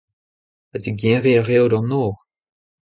Ha digeriñ a reot an nor ?